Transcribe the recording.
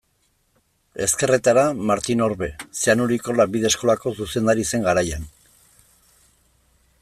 Ezkerretara, Martin Orbe, Zeanuriko lanbide eskolako zuzendari zen garaian.